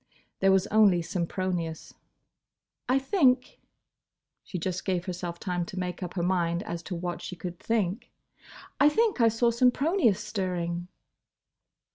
There was only Sempronius. "I think—" she just gave herself time to make up her mind as to what she could think—"I think I saw Sempronius stirring!"